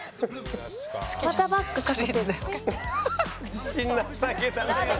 自信なさげだな。